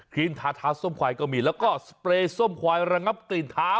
รีนทาเท้าส้มควายก็มีแล้วก็สเปรย์ส้มควายระงับกลิ่นเท้า